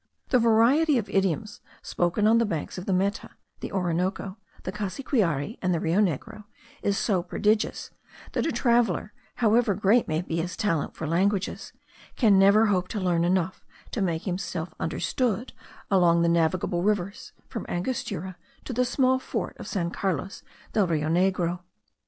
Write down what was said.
The variety of idioms spoken on the banks of the Meta, the Orinoco, the Cassiquiare, and the Rio Negro, is so prodigious, that a traveller, however great may be his talent for languages, can never hope to learn enough to make himself understood along the navigable rivers, from Angostura to the small fort of San Carlos del Rio Negro.